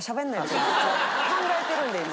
考えてるんで今。